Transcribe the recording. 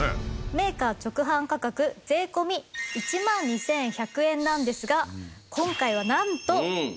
メーカー直販価格税込１万２１００円なんですが今回はなんと。